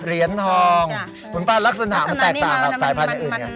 เหรียญทองคุณป้าลักษณะมันแตกต่างกับสายพันธุ์อื่นไง